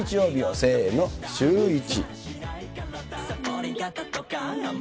せーの、シューイチ。